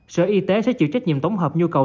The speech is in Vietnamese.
sở y tế sẽ chịu trách nhiệm tổng hợp nhu cầu